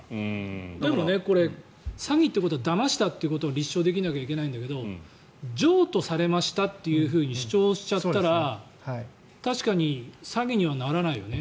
でも詐欺ということはだましたということを立証しなきゃいけないんだけど譲渡されましたというふうに主張しちゃったら確かに詐欺にはならないよね。